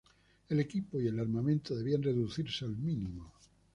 El equipo y el armamento debían reducirse al mínimo.